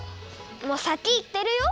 もうさきいってるよ！